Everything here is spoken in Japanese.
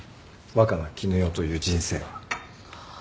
若菜絹代という人生は。